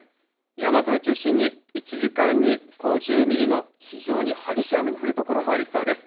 山沿いを中心に１時間に５０ミリの非常に激しい雨の降る所もありそうです。